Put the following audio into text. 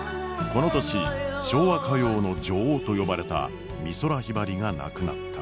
この年昭和歌謡の女王と呼ばれた美空ひばりが亡くなった。